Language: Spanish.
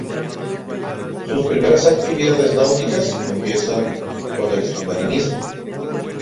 Sus primeras actividades náuticas empiezan con el submarinismo.